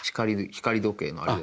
光時計のあれで。